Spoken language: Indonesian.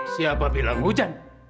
siapa bilang hujan